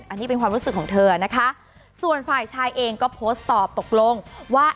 อันนี้เป็นความรู้สึกของเธอนะคะส่วนฝ่ายชายเองก็โพสต์ตอบตกลงว่า